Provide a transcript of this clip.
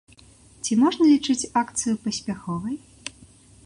Ці можна лічыць акцыю паспяховай?